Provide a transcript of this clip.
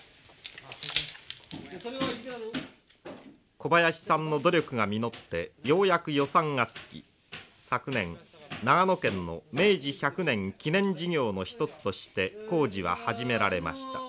小林さんの努力が実ってようやく予算がつき昨年長野県の明治百年記念事業の一つとして工事は始められました。